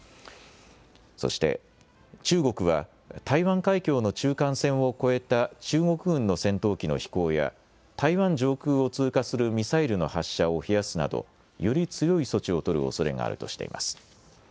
そして中国は、台湾海峡の中間線を越えた中国軍の戦闘機の飛行や、台湾上空を通過するミサイルの発射を増やすなど、より強い措置を取るおそれがあるとしています。